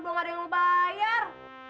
belum ada yang bayar